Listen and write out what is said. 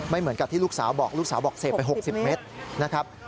เหมือนกับที่ลูกสาวบอกลูกสาวบอกเสพไป๖๐เมตรนะครับ